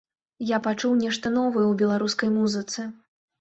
Я пачуў нешта новае ў беларускай музыцы.